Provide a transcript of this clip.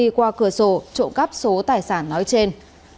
công ty qua cửa sổ trộm cắp số tài sản nói trên